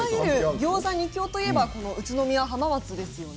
ギョーザ２強といえば宇都宮と浜松ですよね。